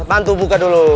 tantu buka dulu